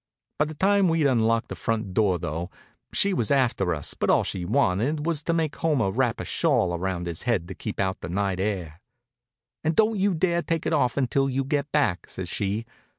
By the time we'd unlocked the front door though, she was after us, but all she wanted was to make Homer wrap a shawl around his head to keep out the night air. "And don't you dare take it off until you get back," says she.